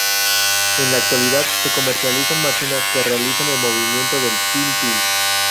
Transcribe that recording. En la actualidad se comercializan máquinas que realizan el movimiento del pil pil.